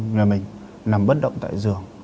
người mình nằm bất động tại giường